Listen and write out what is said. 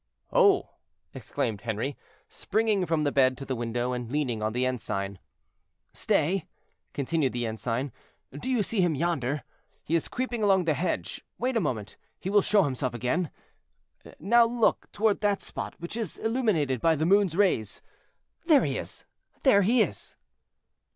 "Oh!" exclaimed Henri, springing from the bed to the window, and leaning on the ensign. "Stay," continued the ensign; "do you see him yonder? He is creeping along the hedge; wait a moment, he will show himself again. Now look toward that spot which is illuminated by the moon's rays, there he is; there he is."